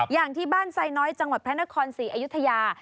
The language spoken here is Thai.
อย่างที่บ้านไซน้อยจังหวัดพระนครศรีอยุธยา